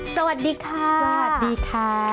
สวัสดีค่ะสวัสดีค่ะ